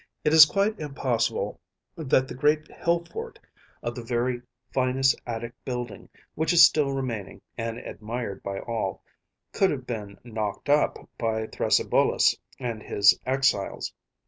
It is quite impossible that the great hill fort of the very finest Attic building, which is still remaining and admired by all, could have been “knocked up‚ÄĚ by Thrasybulus and his exiles.